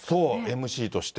ＭＣとして。